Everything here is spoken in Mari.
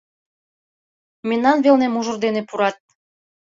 — Мемнан велне мужыр дене пурат.